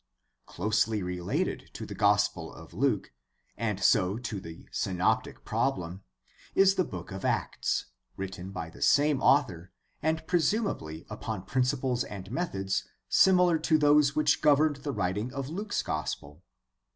— Closely related to the Gospel of Luke, and so to the synoptic problem, is the Book of Acts, written by the same author and presumably upon principles and methods similar to those which governed the writing of Luke's Gospel.